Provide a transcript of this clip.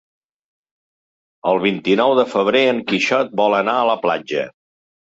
El vint-i-nou de febrer en Quixot vol anar a la platja.